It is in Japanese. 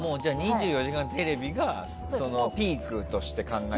「２４時間テレビ」がピークとして考えて。